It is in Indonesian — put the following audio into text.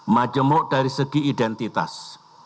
majemuk dari segi identitas